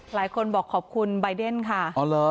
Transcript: หลายคนบอกขอบคุณบายเดนค่ะ